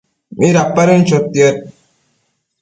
Midapadën chotiad